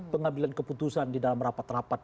pengambilan keputusan di dalam rapat rapat